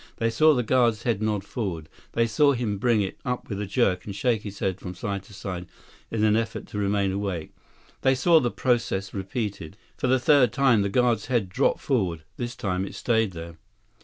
They saw the guard's head nod forward. They saw him bring it up with a jerk and shake his head from side to side in an effort to remain awake. They saw the process repeated. For the third time, the guard's head dropped forward. This time, it stayed there.